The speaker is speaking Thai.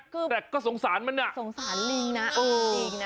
ขอบคุณมากเลย